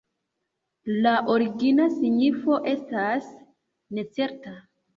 La origina signifo estas necerta.